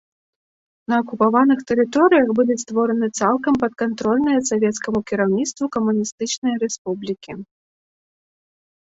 На акупаваных тэрыторыях былі створаны цалкам падкантрольныя савецкаму кіраўніцтву камуністычныя рэспублікі.